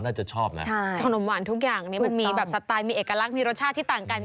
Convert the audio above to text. น่าจะชอบนะขนมหวานทุกอย่างนี้มันมีแบบสไตล์มีเอกลักษณ์มีรสชาติที่ต่างกัน